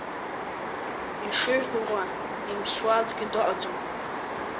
Ишыжәдыруа, имԥсуа аӡәгьы дыҟаӡам.